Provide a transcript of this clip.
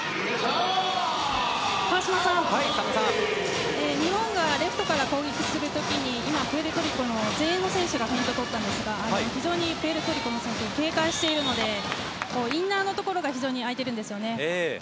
川島さん、日本がレフトから攻撃する時にプエルトリコの前衛の選手がフェイントをとったんですが非常にプエルトリコの選手警戒しているのでインナーのところが空いているんですよね。